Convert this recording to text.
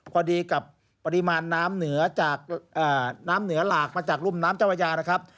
พอดีกับปริมาณน้ำเหนือหลากมาจากรุมน้ำเจ้าพยา